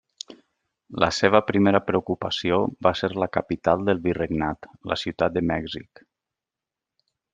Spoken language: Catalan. La seva primera preocupació va ser la capital del virregnat, la Ciutat de Mèxic.